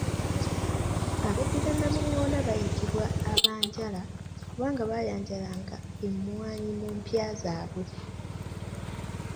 Abeddira Nnamuŋŋoona bayitibwa abanjala kubanga baayanjalanga emwaanyi mu mpya zaabwe.